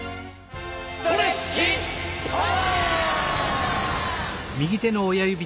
ストレッチパワー！